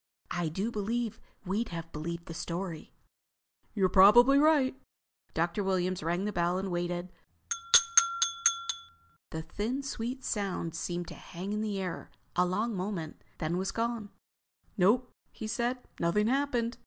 —I do believe we'd have believed the story." "You're probably right." Dr. Williams rang the bell and waited. The thin, sweet sound seemed to hang in the air a long moment, then was gone. "Nope," he said. "Nothing happened.